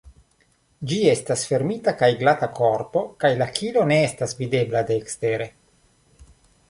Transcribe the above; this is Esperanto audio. Ĝi estas fermita kaj glata korpo kaj la kilo ne estas videbla de ekstere.